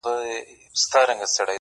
o خر په وهلو نه آس کېږي!